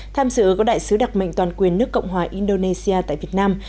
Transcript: tham dự có đại sứ đặc mệnh toàn quyền nước cộng hòa indonesia tại việt nam